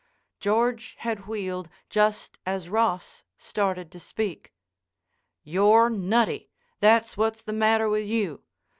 George had wheeled just as Ross started to speak. "You're nutty. That's what's the matter with you.